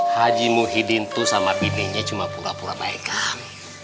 haji muhyiddin tuh sama bininya cuma pura pura baikan